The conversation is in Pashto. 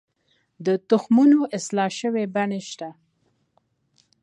د تخمونو اصلاح شوې بڼې شته؟